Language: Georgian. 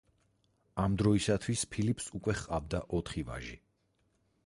ამ დროისათვის ფილიპს უკვე ჰყავდა ოთხი ვაჟი.